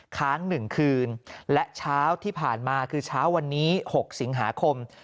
ค้าง๑คืนและเช้าที่ผ่านมาคือเช้าวันนี้๖สิงหาคม